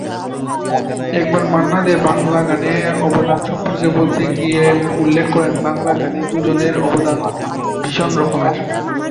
একবার মান্না দে বাংলা গানে অবদান সম্পর্কে বলতে গিয়ে উল্লেখ করেন, বাংলা গানে দুজনের অবদান ভীষণ রকমের।